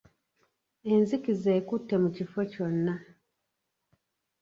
Enzikiza ekutte mu kifo kyonna.